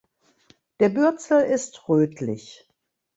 Der Bürzel ist rötlich.